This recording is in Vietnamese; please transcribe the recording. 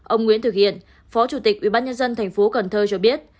ông nguyễn thực hiện phó chủ tịch ubnd thành phố cần thơ cho biết